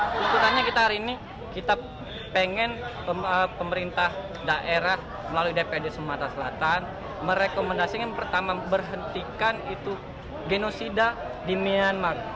kesulitannya kita hari ini kita pengen pemerintah daerah melalui dpd sumatera selatan merekomendasikan pertama berhentikan itu genosida di myanmar